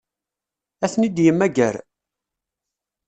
Ad ten-id-yemmager?